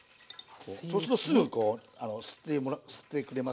そうするとすぐこう吸ってくれますので。